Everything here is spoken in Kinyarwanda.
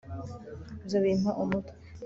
ibyo bimpa umutwe